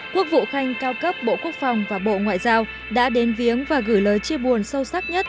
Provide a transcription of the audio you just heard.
quốc vụ khanh cao cấp bộ quốc phòng và bộ ngoại giao đã đến viếng và gửi lời chia buồn sâu sắc nhất